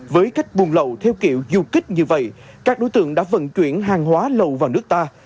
với cách buồn lậu theo kiểu dù kích như vậy các đối tượng đã vận chuyển hàng hóa lậu vào nước ta